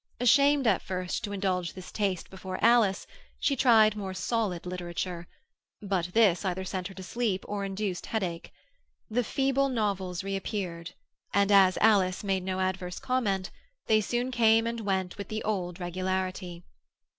Ashamed at first to indulge this taste before Alice, she tried more solid literature, but this either sent her to sleep or induced headache. The feeble novels reappeared, and as Alice made no adverse comment, they soon came and went with the old regularity.